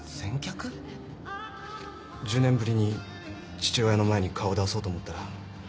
１０年ぶりに父親の前に顔を出そうと思ったら緊張して。